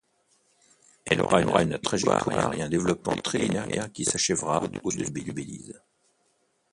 Elle aura une trajectoire et un développement très linéaire, qui s'achèvera au-dessus du Belize.